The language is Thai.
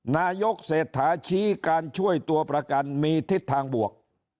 นายกเศรษฐาชี้การช่วยตัวประกันมีทิศทางบวก